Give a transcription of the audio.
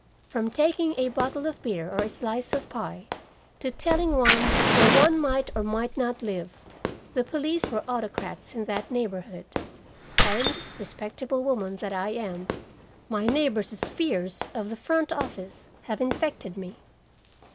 From taking a bottle of beer or a slice of pie, to telling one where one might or might not live, the police were autocrats in that neighborhood. And, respectable woman that I am, my neighbors' fears of the front office have infected me.